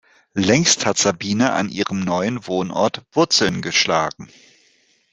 Längst hat Sabine an ihrem neuen Wohnort Wurzeln geschlagen.